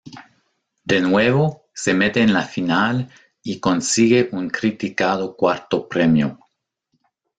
De nuevo, se mete en la final y consigue un criticado cuarto premio.